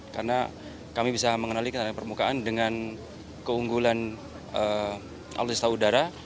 karena kami bisa mengenali tanda tanda di permukaan dengan keunggulan alutsista udara